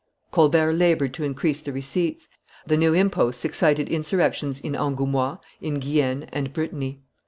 Colbert labored to increase the receipts; the new imposts excited insurrections in Angoumois, in Guyenne, in Brittany.